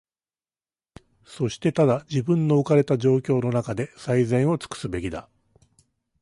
そしてただ、自分の置かれた状況のなかで、最善をつくすべきだ。